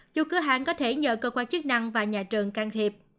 chủ cửa hàng có thể nhờ cơ quan chức năng và nhà trường can thiệp